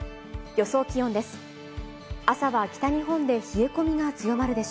予想気温です。